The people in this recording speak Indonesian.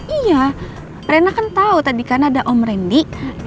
iya rena kan tau tadi kan ada om randy